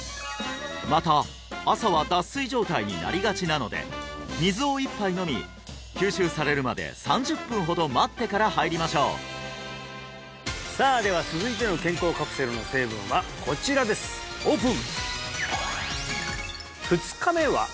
また朝は脱水状態になりがちなので水を１杯飲み吸収されるまで３０分ほど待ってから入りましょうさあでは続いての健康カプセルの成分はこちらですオープン！